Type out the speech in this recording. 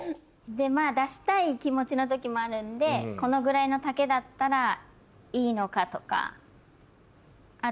出したい気持ちの時もあるんでこのぐらいの丈だったらいいのかとか。